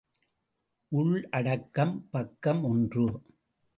உள்ளடக்கம் பக்கம் ஒன்று.